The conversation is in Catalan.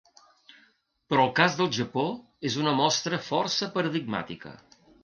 Però el cas del Japó és una mostra força paradigmàtica.